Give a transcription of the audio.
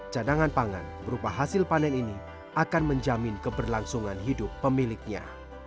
cadangan pangan berupa hasil panen ini akan menjamin keberlangsungan hidup pemiliknya